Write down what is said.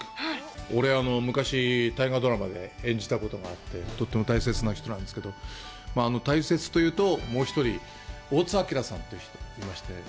俺、昔大河ドラマで演じたことがとっても大切な人なんですけど、大切というと、もう１人、大津あきらさんという人がいまして。